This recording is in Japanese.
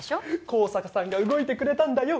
香坂さんが動いてくれたんだよ